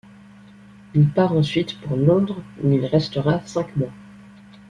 Il part ensuite pour Londres, où il restera cinq mois.